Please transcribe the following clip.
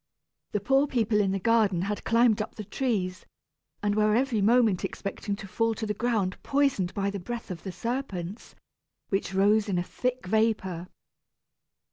The poor people in the garden had climbed up the trees, and were every moment expecting to fall to the ground poisoned by the breath of the serpents, which rose in a thick vapor.